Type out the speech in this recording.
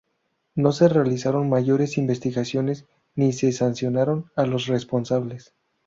No se realizaron mayores investigaciones ni se sancionaron a los responsables.